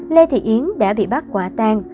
lê thị yến đã bị bắt quả tan